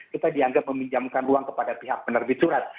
kita dianggap meminjamkan uang kepada pihak penerbit surat